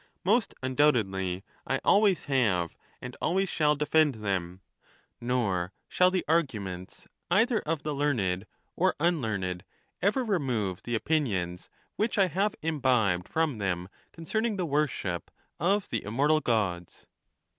Most undoubtedly I always have, and al ways shall defend them, nor shall the arguments either of the learned or unlearned ever remove the opinions which I have imbibed from them concerning the worship of the im mortal Gods.